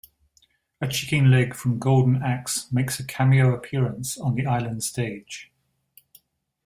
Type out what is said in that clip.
A chicken-leg from Golden Axe makes a cameo appearance on the Island stage.